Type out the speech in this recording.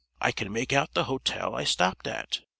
"I can make out the hotel I stopped at.